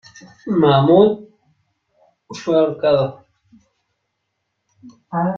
Mahmud fue ahorcado.